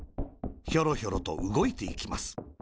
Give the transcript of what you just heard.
ひょろひょろと、うごいていきます。